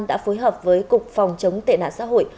đã phối hợp với cục phòng chống tệ nạn xã hội